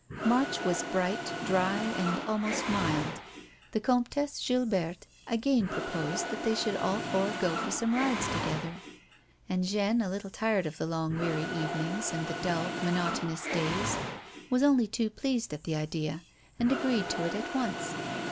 March was bright, dry, and almost mild. The Comtesse Gilberte again proposed that they should all four go for some rides together, and Jeanne, a little tired of the long weary evenings and the dull, monotonous days, was only too pleased at the idea and agreed to it at once.